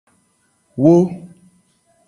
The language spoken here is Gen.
Wo.